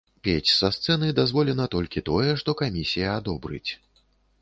Пець са сцэны дазволена толькі тое, што камісія адобрыць.